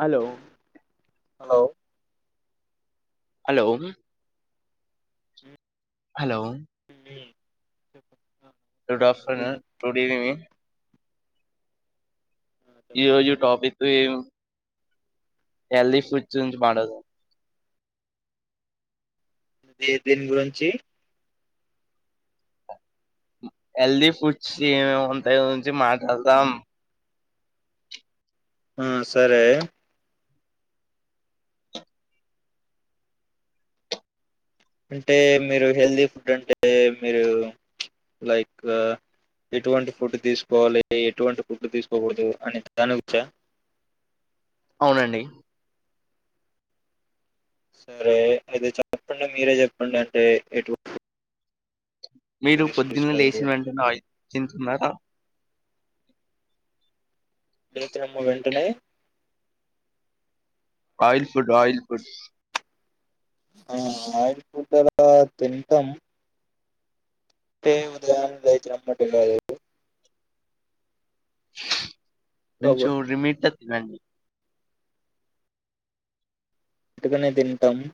Hello hello hello hello చెప్పండి డఫన్ రడి ఈ రోజు టాపిక్ హల్ది ఫుడ్జ్ మదు హే దేని గురించి హెల్దీ ఫుడ్స్ ఏమెముంటాయో గుంచి మాట్లాడుతాం ఆ సరే అంటే మీరు హెల్దీ ఫుడ్ అంటే మీరు లైక్ ఎటువంటి ఫుడ్ తీసుకోవాలి ఎటువంటి ఫుడ్ తీసుకోకూడదు అని తానుచ్చా అవునండి సరే అయితే చెప్పండి మీరే చెప్పండి అంటే ఎటు మీరు పొద్దున్నే లేచిన అని వెంటనే ఆయిల్ ఫు తింటున్నారా హ్మ్మ్ పోవచిన్నమ్ము వెంటనే ఆయిల్ ఫుడ్ ఆయిల్ ఫుడ్ ఆ ఆయిల్ ఫుడ్ అలా తింటాం ఉదరాణయితే అమ్మా కా సు కొంచెం లిమిట్ ల తినండి ఇటుకనే తింటాము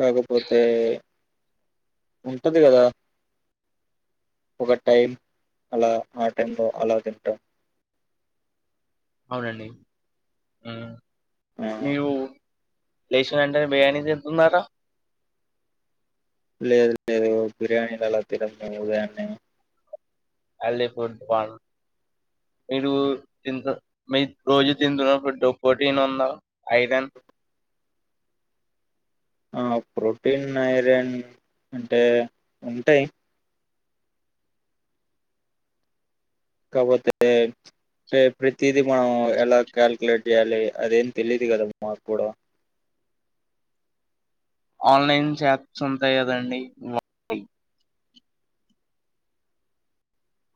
కాకపోతే ఉంటది గద ఒక టైమ్ అల ఆ టైమ్ లో అలా తింటాం అవునండి ఆ ఆ మీవు లేచిన వెంటనే బిర్యాని తింటున్నారా లేదు లేదు బిర్యానీలు అల తినం మేం ఉదయానే హల్ళీ ఫుడ్ వన్ మీరు తి మీ మీరూ రోజు తింటున్న ఫుడ్ ప్రోటీన్ ఉందా ఐరన్ ఆ ప్రోటీన్ ఐరన్ అంటే ఉంటై కాపోతే ప్రీతి ది మన ఎలా క్యాల్క్లేట్ చేయాలి అదేం తెలియదు కదా మాకూడా ఆన్లైన్ షాప్స్ ఉంటాయి గదండి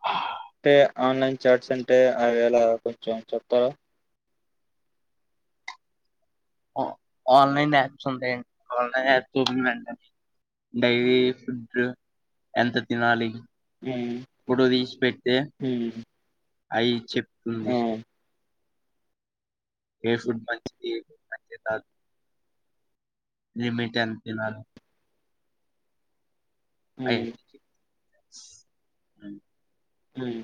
హా అంటే ఆన్లైన్ చాట్స్ అంటే అవేళ కొంచెం చెప్తారా ఆన్లైన్ యాప్స్ ఉంటాయండి ఆన్లైన్ యాప్ వెడి డైలీ ఫుడ్ ఎంత తినాలి ఉమ్ ఫోటో తీసి పెడ్తే ఉమ్ అయి చెప్ ఆ ఉయ్ ఏ ఫుడ్ మంచిది ఏ ఫుడ్ మంచిది కాదు లిమిట్ ఎంత తినాలి అయి ఉమ్ హిం హ్మ్మ్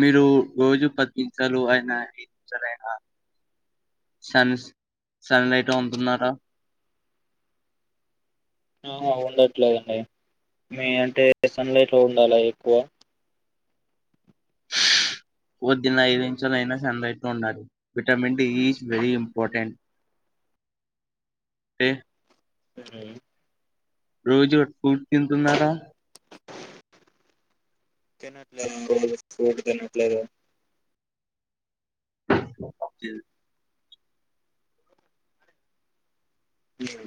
మీరు రోజు పది నిమిషాలు అయినా ఐదు నిమిషాలు అయినా సన్ సన్లైట్ ఉంటున్నారా ఆ ఉండట్లేదండి మీ అంటే సన్ లైట్లొ ఉండాల ఎక్కువ పొద్దున్నే ఐదు నిమిషాలైనా సన్లైట్ లో ఉండాలి vitamin D is very important ఏ హ్మ్మ్ రోజూ ఫుడ్ తింటున్నారా తినట్లేదా స్కూల్ కెళ్లట్లేదా అబ్జి లేదు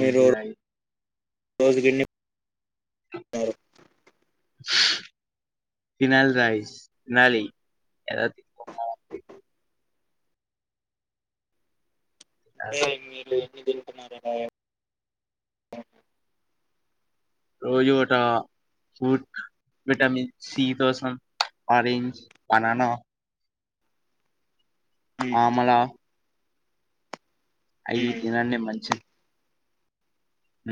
ఏంటిదాయి రోజుకెన్ని టారు హ ఫినైల్ తాగి ఫినాలీ ఎలా ఏ మీలు మీరు తిరుగుతే మాదేపాయే రోజోట ఫుడ్ విటమిన్ సి కోసం అరేంజ్ బననా ఆ ఉమ్, మళ్ళా అయ్యి ఉమ్. తినండి మంచిది ఊ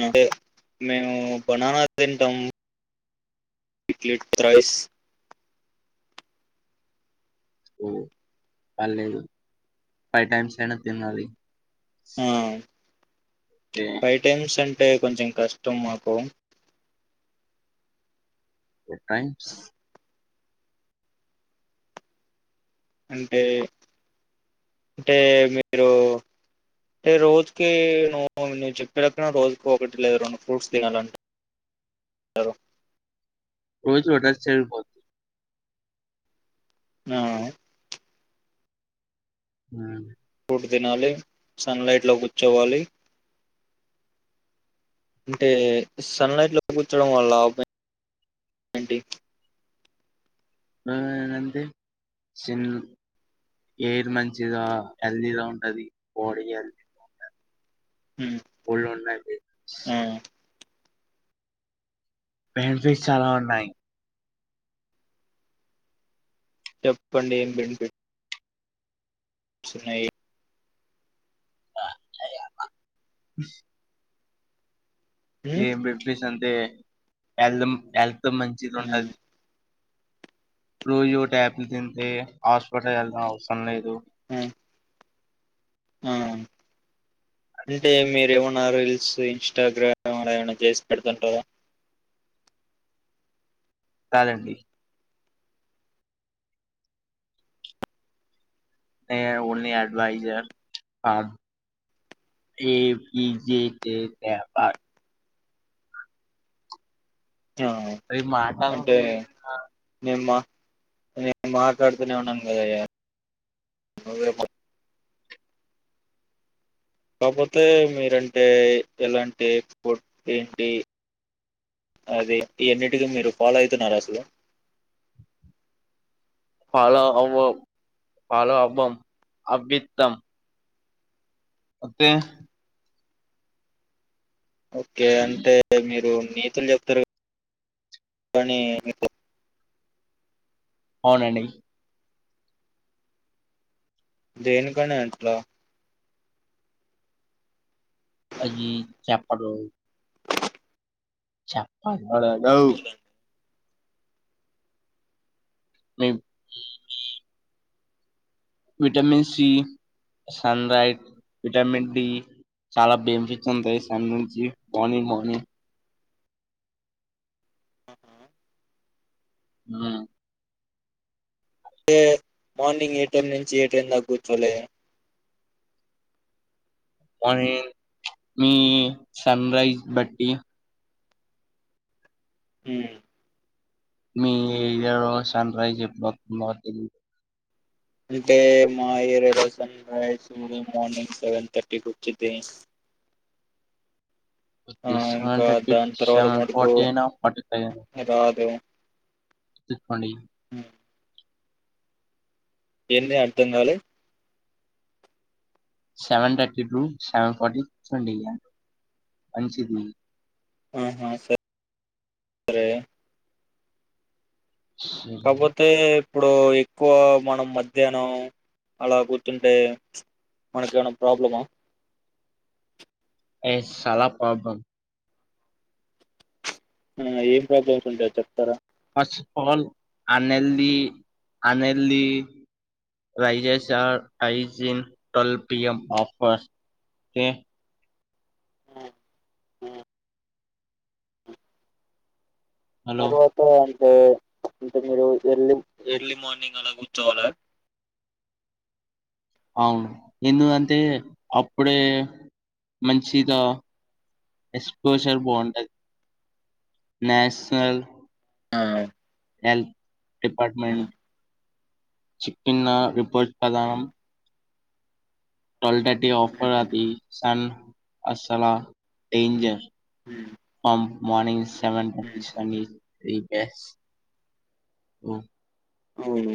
అంటే మేమూ బనానా తింటమ్ ప్లేట్ రైస్ వాళ్ళేదు ఫై టైమ్స్ అయినా తినాలీ స్ ఆ ఫైవ్ టైమ్స్ అం అంటే కొంచం కష్టం మాకూ టూ టైమ్స్ అంటే అంటే మీరూ అంటే రోజుకీ నువ్వు నువ్వు చెప్పినట్టు రోజుకి ఒకటి లేదా రెండు ఫ్రూట్స్ తినాలంటా రు రోజు [unintelligible] ఆ ఉ ఇప్పుడు దినాలి సన్ లైట్ లో కూర్చోవాలీ అంటే సన్ లైట్ లో కూర్చోడం వల్ల ఏంటీ నా ఏందంటే చిన్ ఎయిర్ మంచిగా హెల్తీగా ఉంటది బాడీ అదీ ఉమ్, ఒళ్ళున్నాయి బీన్స్ ఆ, బెనిఫిట్స్ చాలా ఉన్నాయ్ చెప్పండీ ఏం బెన్ఫిట్ ఉన్నాయీ ఇంకా అది గాక ఉమ్ ఏం బెన్ ఫీస్ అంతె బెల్లమ్ ఎల్ ఎంత ఉమ్ మంచిగుంటద్ రోజూ వొగటి యాపిల్ తింటే హాస్పిటల్ ఎళ్లడం అవసరం లేదు ఆ ఆ అంటే మీరేమన్ నా రీల్స్ ఇన్స్టాగ్రామ్ ఏమైనా జేసి పెడుతంటారా కాదండీ ఆ ఓన్లీ అడ్వైజు ఈ పిజికెకే [unintelligible] ఆ మాట్లాడదు అంటే నెమ్మా నేనెమ్ మాట్లాడుతూనే ఉన్నాను కదా అయ్యా కాకపోతే మీరంటే ఎలాంటి ఫుడ్ తింటి అది ఇ అన్నిటిని మీరు ఫాలో అవుతున్నార అసలు ఫాలో అవ్వం పాలో అబ్బం అబ్బిత్తాం అంతే ఓకే అంటే మీరు నీతులు చెప్తారు గానీ [inaudible] అవునండి దేనికై నాయ్ అట్లా అది చెప్పరు చెప్పవ్ ఆడ నవ్ కూడదండి. మేమ్ vitamin C sunlight vitamin D చాలా బెనిఫిట్స్ ఉంటాయి సన్ నుంచి మార్నింగ్ మార్నింగ్ ఆహా ఆ ఎ మార్నింగ్ ఏ టైమ్ నుంచి ఏ టైక్ దాక కూర్చోలే వని మ్ సన్రైజ్ బట్టి ఉమ్ మీ ఏరియాలో సన్ రైజ్ ఎప్పుడొతుందో తెలీ అంటే మా ఏరియా లో సన్ రైజు ఉదయం మార్నింగ్ సెవెన్ థర్టీకి వచ్చిది వచ్చి సెవెన్ ఇంకా థర్టీ దాని తర్వాత సెవెన్ మటుకు ఫార్టీ అయినా ఫార్టీ ఫైవ్ అయిన చెప్పండి ఉమ్ ఏంది అర్థం కాలే seven thirty to seven forty కూర్చొండిగా మంచిది ఆహా స సరే కాపోతే ఇప్పుడు ఎక్కువ మనం మధ్యాహ్నం అలా కూర్చుంటే మనక ఏమైన ప్రాబ్లమా ఎస్ చాలా ప్రాబ్లం ఆ ఏం ప్రాబ్లమ్స్ ఉంటాయో చెప్తారా first of all అనల్లీ అనల్లీ rises are hygiene twelve P M offer కే ఆ ఆ హలో తరువాత అంటే అంటే మీరు ఎర్లీ ఎర్లీ మార్నింగ్ అలా కూర్చోవాలా అవును ఎందుకంటే అప్పుడే మంచిదా ఎక్స్పోజర్ బాగుంటది నేషనల్ ఆ ఎల్ ఆ! డిపార్ట్మెంట్ చిక్కిన్న పోషక ఆ! దానం ట్వెల్ థర్టీ ఆఫర్ అది సన్ అస్సలా డేంజర్ హ్మ్. అమ్ మార్నింగ్స్ సెవెన్ హ్మ్. థర్టీ [unintelligible] ది బెస్ట్ సో అవును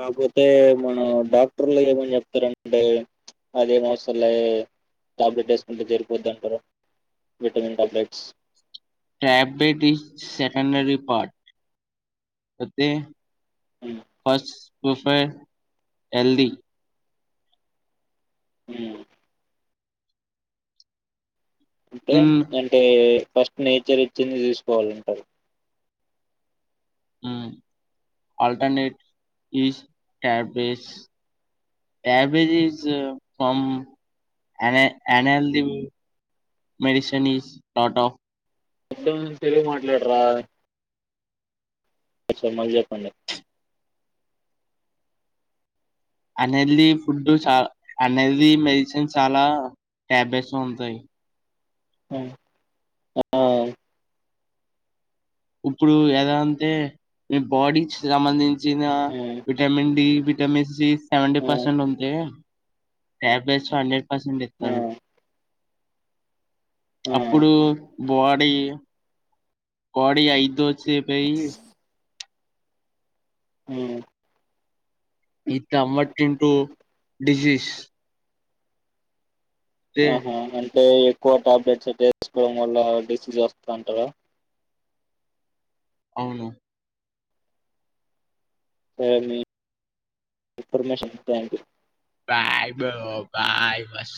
కాపోతే మన డాక్టర్లు ఏమని చెప్తారంటే అదేం అవసరంలే టాబ్లెట్ వేసుకుంటే జరిగిపోద్ది అంటారు vitamin tablets tablet is secondary part okay ఉమ్, ఫస్ పు ఫై హెల్దీ ఉమ్ అంటె ఇన్ అంటే ఫస్ట్ నేచర్ ఇచ్చింది తీసుకోవాలంటారు ఆ క్యాబేజీస్ ఫ్రమ్ అనల్ది మెడిసిన్ ఈస్ స్ట్ఫ్ మొత్తం తెలుగు మాట్లాడరా మళ్లీ చెప్పండి అన్ హెల్దీ ఫుడ్ చ అనేది మెడిసిన్ చాలా టాబ్లెట్స్ ఉంటాయి హా ఇప్పుడు ఎదంటే మీ బాడీ సంబంధించి నా ఆ, vitamin D vitamin C seventy ఆ, పర్సెంట్ ఉంటే టాబ్లెట్స్ అ ఆ, ప్రసంగిస్తాడు అప్పుడు బప అ బాడీ ఐదో సెప్లై హా ఈఎన్టీఆర్ర్టిన్ టూ డిజీస్ [unintelligible] ఆహా అంటే కోట్ అప్డేట్స్ వేసుకోవడం వల్ల డిసీజ్ వస్తంటారా ఔను స మీ information thank you bye bro bye వస